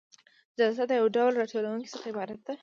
جلسه د یو ډول راټولیدنې څخه عبارت ده.